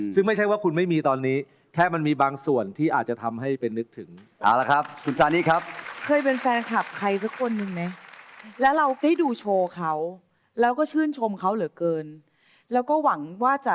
ซึ่งไม่ใช่ว่าคุณไม่มีตอนนี้แค่มันมีบางส่วนที่อาจจะทำให้เป็นนึกถึง